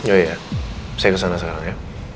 oh ya saya kesana sekarang ya